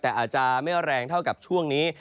แต่อาจจะไม่แรงเท่ากับช่วงนี้